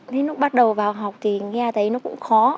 đến lúc bắt đầu vào học thì nghe thấy nó cũng khó